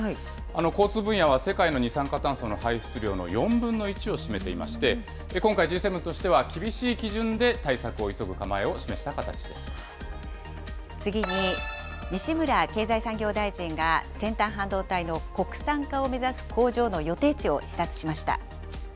交通分野は世界の二酸化炭素の排出量の４分の１を占めていまして、今回、Ｇ７としては厳しい基準で次に、西村経済産業大臣が先端半導体の国産化を目指す工場の予定地を視